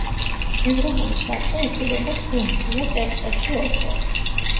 ევროპული საბჭო იკრიბება სულ მცირე წელიწადში ორჯერ.